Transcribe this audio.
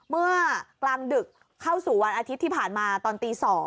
เมื่อกลางดึกเข้าสู่วันอาทิตย์ที่ผ่านมาตอนตี๒